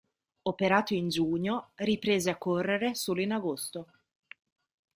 Operato in giugno, riprese a correre solo in agosto.